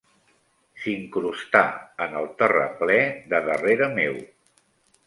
S'incrustà en el terraplè de darrere meu.